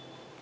siapa di lab